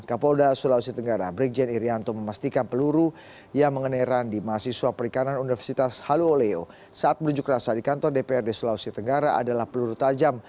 kapolda sulawesi tenggara brigjen irianto memastikan peluru yang mengeneran di mahasiswa perikanan universitas haluoleo saat berunjuk rasa di kantor dprd sulawesi tenggara adalah peluru tajam